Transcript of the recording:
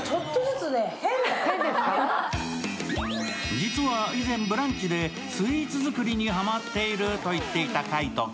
実は以前「ブランチ」でスイーツ作りにハマっていると言っていた海音君。